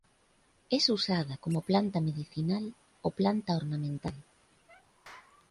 Es usada como planta medicinal o planta ornamental.